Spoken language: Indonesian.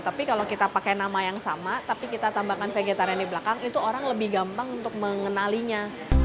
tapi kalau kita pakai nama yang sama tapi kita tambahkan vegetarian di belakang itu orang lebih gampang untuk mengenalinya